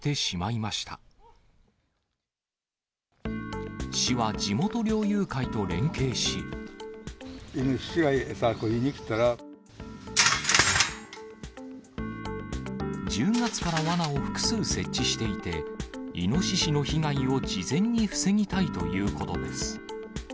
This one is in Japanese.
イノシシが餌、１０月からわなを複数設置していて、イノシシの被害を事前に防ぎたいということです。